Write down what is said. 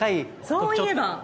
そういえば！